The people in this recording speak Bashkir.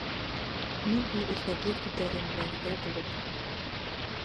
Мин ул иҫәрҙе күтәремләргә булып: